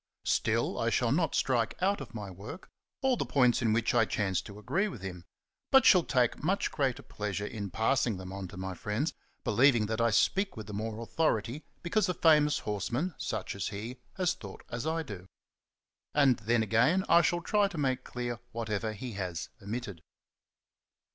Still, I shall not strike out of my work all the points in which I chance to agree with him, but shall take much greater pleasure in passing them on to my friends, believing that I speak with the more authority because a famous horse man, such as he, has thought as I do. And then, again, I shall try to make clear what ever he has omitted.